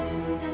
aku mau jalan